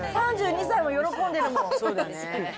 ３２歳も喜んでるもん。